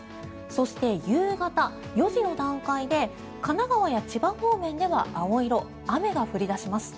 そして、夕方４時の段階で神奈川や千葉方面では青色雨が降り出します。